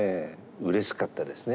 うれしかったですね。